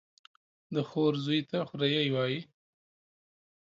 د خور زوى ته خوريه وايي.